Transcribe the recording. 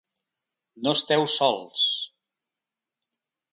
No esteu sols!